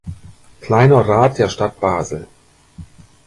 Kleiner Rat der Stadt Basel.